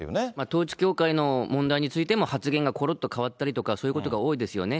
統一教会の問題についても発言がころっと変わったりとか、そういうことが多いですよね。